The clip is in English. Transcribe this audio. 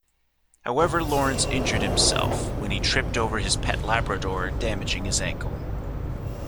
However Lawrence injured himself when he tripped over his pet Labrador damaging his ankle.